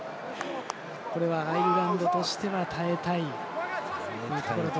アイルランドとしては耐えたいというところ。